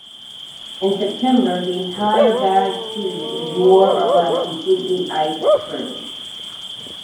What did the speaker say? In September, the entire Barents Sea is more or less completely ice-free.